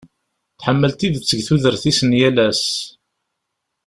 Tḥemmel tidet deg tudert-is n yal ass.